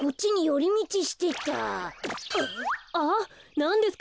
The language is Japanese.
なんですか？